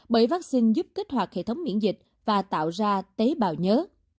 bởi vaccine giúp kích hoạt hệ thống miễn dịch và tạo ra tế bào nhớ